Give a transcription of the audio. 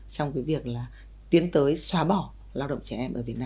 trong cái việc là tiến tới xóa bỏ lao động trẻ em ở việt nam